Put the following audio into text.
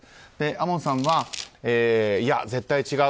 亞門さんはいや、絶対違う。